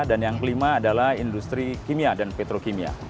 yang kelima adalah industri kimia dan petrokimia